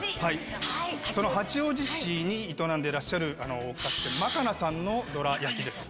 その八王子市に営んでいらっしゃるお菓子店まかなさんのどら焼きです。